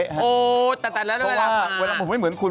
โอ๊ยแต่ละแล้วเวลามาเพราะว่าเวลาผมไม่เหมือนคุณ